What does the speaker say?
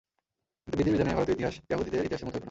কিন্তু বিধির বিধানে ভারতীয় ইতিহাস য়াহুদীদের ইতিহাসের মত হইল না।